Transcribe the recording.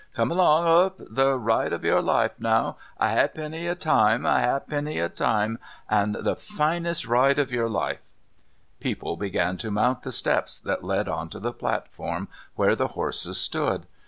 Come along hup! The ride of your life now! A 'alfpenny a time! A 'alfpenny a time, and the finest ride of your life!" People began to mount the steps that led on to the platform where the horses stood.